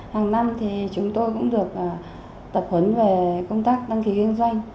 hàng năm thì chúng tôi cũng được tập huấn về công tác đăng ký kinh doanh